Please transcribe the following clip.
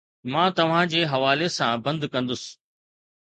مان توهان جي حوالي سان بند ڪندس